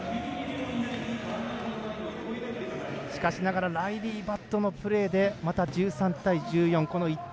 しかしながらライリー・バットのプレーでまた１３対１４。